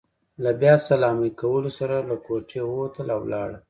له بیا سلامۍ کولو سره له کوټې ووتل، او لاړل.